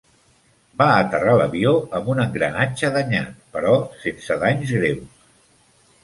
Va aterrar l'avió amb un engranatge danyat, però sense danys greus.